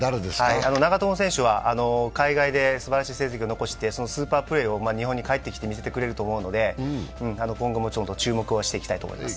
長友選手は海外ですばらしい成績を残してスーパープレーを日本に帰ってきて見せてくれると思うので、今後も注目していきたいと思います。